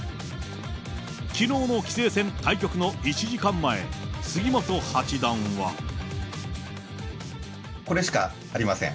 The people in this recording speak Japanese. きのうの棋聖戦対局の１時間前、これしかありません。